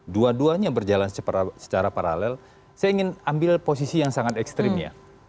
dua duanya berjalan secara paralel saya ingin ambil posisi yang sangat ekstrim ya